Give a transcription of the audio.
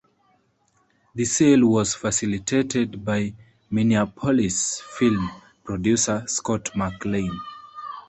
The sale was facilitated by Minneapolis film producer, Scott McLain.